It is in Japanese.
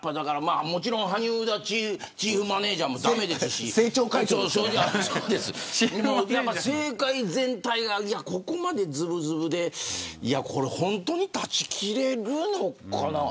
もちろん萩生田チーフマネジャーも駄目ですし政界全体が、ここまでずぶずぶでこれ本当に断ち切れるのかな。